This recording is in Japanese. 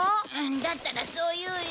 だったらそう言うよ。